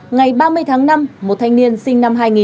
ngày ba mươi tháng năm một thanh niên sinh năm hai nghìn